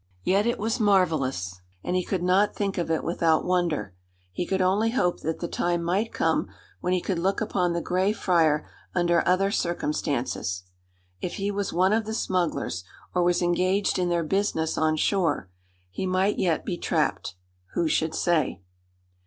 Yet, it was marvelous; and he could not think of it without wonder. He could only hope that the time might come when he could look upon the gray friar under other circumstances. If he was one of the smugglers, or was engaged in their business on shore, he might yet be trapped. Who should say?